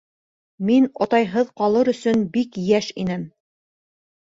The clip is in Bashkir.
Мин атайһыҙ ҡалыр өсөн бик йәш инем.